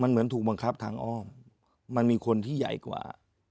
มันเหมือนถูกบังคับทางอ้อมมันมีคนที่ใหญ่กว่า